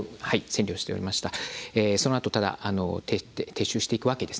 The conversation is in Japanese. そのあと撤収していくわけですね。